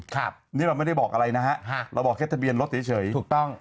ครับนี่เราไม่ได้บอกอะไรนะฮะเราบอกแค่ทะเบียนรถเฉยถูกต้อง